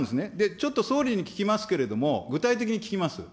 ちょっと総理に聞きますけれども、具体的に聞きます。